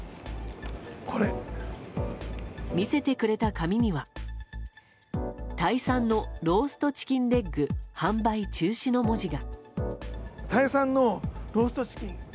見せてくれた紙にはタイ産の「ローストチキンレッグ販売中止」の文字が。